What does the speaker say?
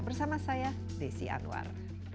bersama saya desi anwar